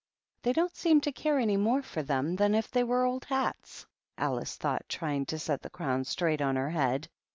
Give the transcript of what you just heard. " They don't seem to care any more for them than if they were old hats," Alice thought, trying to set the crown straight on her head.